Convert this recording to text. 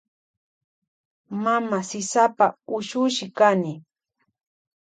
Mama sisapa ushushi kani.